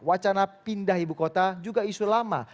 wacana pindah ibu kota juga isu lama